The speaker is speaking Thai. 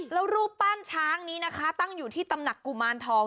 แล้วรูปปั้นช้างนี้นะคะตั้งอยู่ที่ตำหนักกุมารทอง